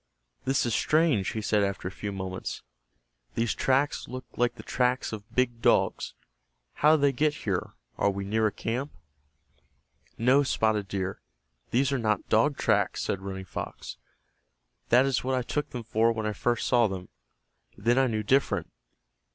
"This is strange," he said after a few moments. "These tracks look like the tracks of big dogs. How did they get here? Are we near a camp?" "No, Spotted Deer, these are not dog tracks," said Running Fox. "That is what I took them for when I first saw them. Then I knew different.